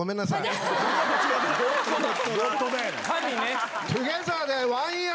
神ね。